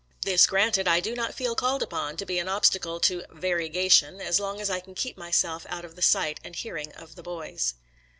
This granted, I do not feel called upon to be an obstacle to "vairega tion" as long as I can keep myself out of the sight and hearing of the boys.